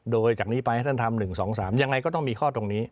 โดยจากนี้ไปให้ท่านทำ๑๒๓ยังไงก็ต้องมีข้อตรงนี้